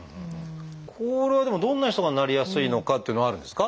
これはでもどんな人がなりやすいのかかっていうのはあるんですか？